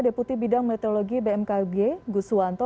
deputi bidang meteorologi bmkg gus suwanto